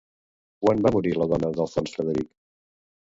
Quan va morir la dona d'Alfons Frederic?